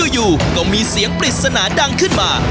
อยู่ก็มีเสียงปริศนาดังขึ้นมา